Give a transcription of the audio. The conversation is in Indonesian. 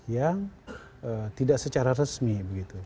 yang tidak secara resmi